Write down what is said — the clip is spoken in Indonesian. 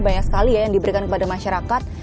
banyak sekali ya yang diberikan kepada masyarakat